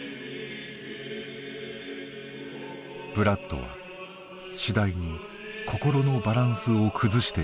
ブラッドは次第に心のバランスを崩していきました。